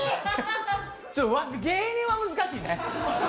ちょっと芸人は難しいね。